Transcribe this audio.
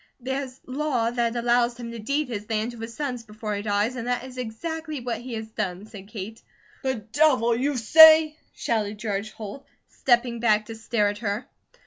"There's law that allows him to deed his land to his sons before he dies, and that is exactly what he has done," said Kate. "The Devil, you say!" shouted George Holt, stepping back to stare at her.